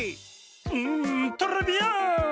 んトレビアーン！